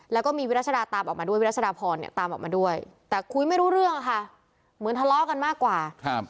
แล้วก็มีวิรัชดาตามออกมาด้วยวิรัชดาพรเนี่ยตามออกมาด้วยแต่คุยไม่รู้เรื่องค่ะเหมือนทะเลาะกันมากกว่าครับ